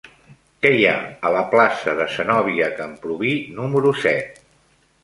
Què hi ha a la plaça de Zenòbia Camprubí número set?